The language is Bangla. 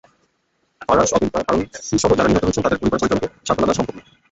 ফারাজ, অবিন্তা, তারুশিসহ যাঁরা নিহত হয়েছেন, তাঁদের পরিবার-পরিজনকে সান্ত্বনা দেওয়া সম্ভব নয়।